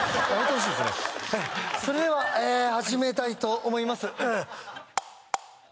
それでは始めたいと思います